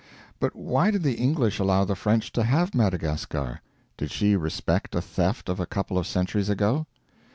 But why did the English allow the French to have Madagascar? Did she respect a theft of a couple of centuries ago?